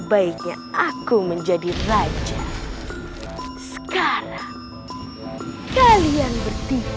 baiknya aku menjadi raja sekarang kalian bertiga kaki